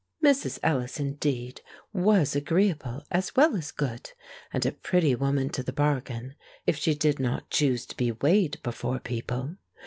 Mrs. Ellis, indeed, was agreeable as well as good, and a pretty woman to the bargain, if she did not choose to be weighed before people.